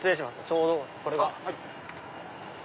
ちょうどこれが。